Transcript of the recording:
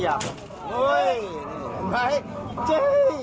โอ๊ยนี่ไอ้ไอ้จิ๊